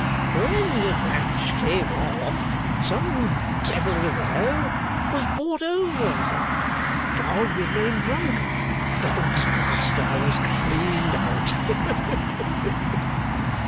When the match came off, some devil of a fellow was bought over, Sir, Dog was made drunk, Dog's master was cleaned out.